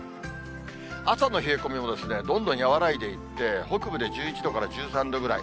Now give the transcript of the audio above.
朝の冷え込みもですね、どんどん和らいでいって、北部で１１度から１３度ぐらい。